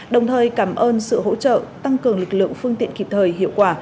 đồng thời cảm ơn sự hỗ trợ tăng cường lực lượng phương tiện kịp thời hiệu quả